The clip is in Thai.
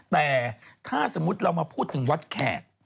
แต่ถ้าสมมุติเรามาพูดถึงวัดแขก